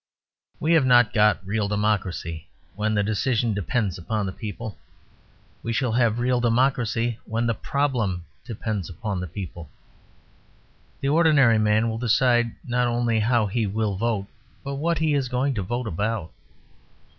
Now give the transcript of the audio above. We have not got real Democracy when the decision depends upon the people. We shall have real Democracy when the problem depends upon the people. The ordinary man will decide not only how he will vote, but what he is going to vote about.